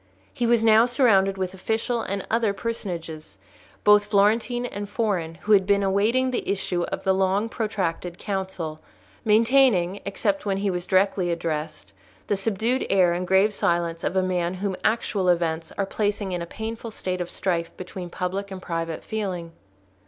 He was now surrounded with official and other personages, both Florentine and foreign, who had been awaiting the issue of the long protracted council, maintaining, except when he was directly addressed, the subdued air and grave silence of a man whom actual events are placing in a painful state of strife between public and private feeling.